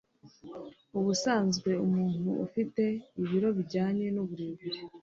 Ubusanzwe umuntu ufite ibiro bijyanye n'uburebure